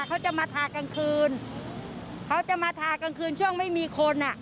เขาจะมาทากลางคืนเขาจะมาทากลางคืนช่วงไม่มีคนอ่ะ